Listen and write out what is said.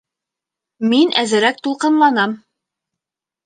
Мин әҙерәк тулҡынланам